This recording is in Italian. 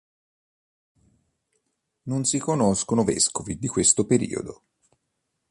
Non si conoscono vescovi di questo periodo.